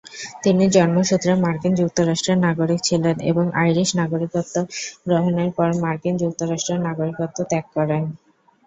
তিনি জন্মসূত্রে মার্কিন যুক্তরাষ্ট্রের নাগরিক ছিলেন এবং আইরিশ নাগরিকত্ব গ্রহণের পর মার্কিন যুক্তরাষ্ট্রের নাগরিকত্ব ত্যাগ করেন।